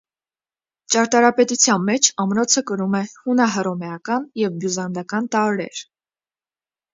Ճարտարապետության մեջ ամրոցը կրում է հունահռոմեական և բյուզանդական տարրեր։